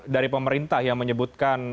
dari pemerintah yang menyebutkan